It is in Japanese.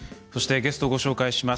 ゲストをご紹介します。